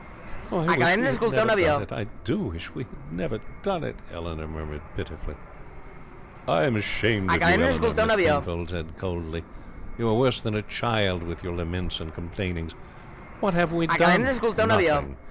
"I wish we had never done it. I do wish we had never done it," Eleanor murmured pitifully. "I am ashamed of you, Eleanor," Miss Penfold said coldly. "You are worse than a child with your laments and complainings. What have we done? Nothing.